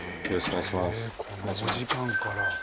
このお時間から。